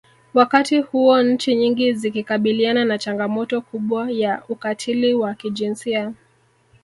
Wakati huo nchi nyingi zikikabiliana na changamoto kubwa ya ukatili wa kijinsia